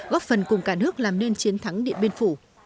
góp phần cùng cả nước làm nên chiến thắng điện biên phủ